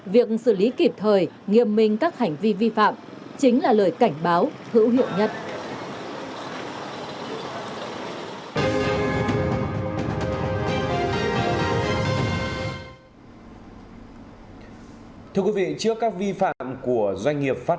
việc xử lý kịp thời nghiêm minh các hành vi vi phạm chính là lời cảnh báo hữu hiệu nhất